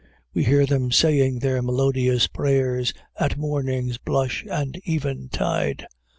We hear them saying their melodious prayers at morning's blush and eventide.